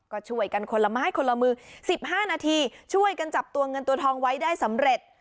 ก็ช่วยกันคนละไม้คนละมือ๑๕นาทีช่วยกันจับตัวเงินตัวทองไว้ได้สำเร็จ